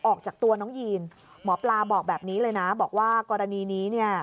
ออกจากตัวน้องยีนหมอปลาบอกแบบนี้เลยนะบอกว่ากรณีนี้เนี่ย